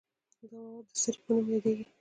دا مواد د سرې په نوم یادیږي.